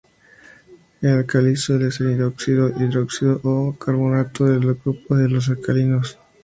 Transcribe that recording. El álcali suele ser óxido, hidróxido o un carbonato del grupo de los alcalinos.